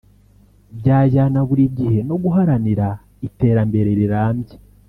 byajyana buri gihe no guharanira iterambere rirambye